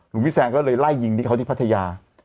พี่แซงก็เลยไล่ยิงที่เขาที่พัทยา